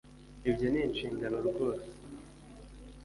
ibyo ni inshingano rwose